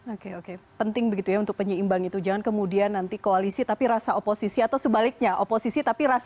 oke oke penting begitu ya untuk penyeimbang itu jangan kemudian nanti koalisi tapi rasa oposisi atau sebaliknya oposisi